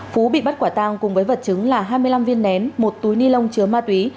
phú bị bắt quả tang cùng với vật chứng là hai mươi năm viên nén một túi ni lông chứa ma túy